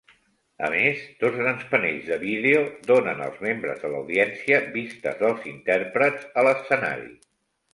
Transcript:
A més, dos grans panells de vídeo donen als membres de l'audiència vistes dels intèrprets a l'escenari.